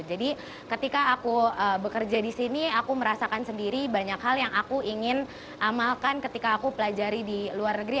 jadi ketika aku bekerja di sini aku merasakan sendiri banyak hal yang aku ingin amalkan ketika aku pelajari di luar negeri